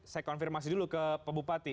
saya konfirmasi dulu ke pembuati